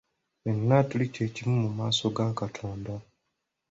Ffenna tuli kye kimu mu maaso ga Katonda.